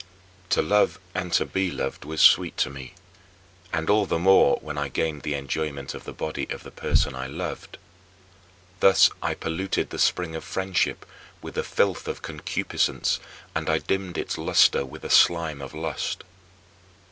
To love and to be loved was sweet to me, and all the more when I gained the enjoyment of the body of the person I loved. Thus I polluted the spring of friendship with the filth of concupiscence and I dimmed its luster with the slime of lust.